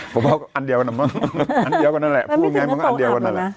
ผมว่าก็อันเดียวกันอันเดียวกันนั่นแหละพูดไงมันก็อันเดียวกันนั่นแหละ